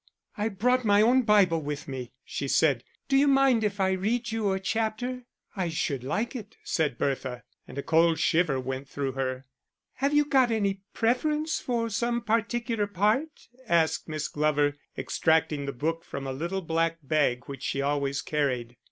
"I brought my own Bible with me," she said. "Do you mind if I read you a chapter?" "I should like it," said Bertha, and a cold shiver went through her. "Have you got any preference for some particular part?" asked Miss Glover, extracting the book from a little black bag which she always carried.